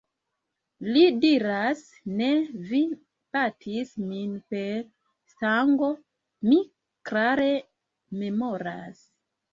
Li diras: "Ne! Vi batis min per stango. Mi klare memoras."